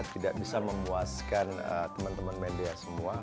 tidak bisa memuaskan teman teman media semua